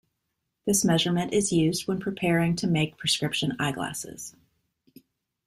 This measurement is used when preparing to make prescription eyeglasses.